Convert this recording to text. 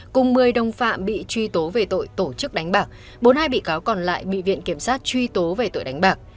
cùng một mươi đồng phạm bị truy tố về tội tổ chức đánh bạc bốn hai bị cáo còn lại bị viện kiểm sát truy tố về tội đánh bạc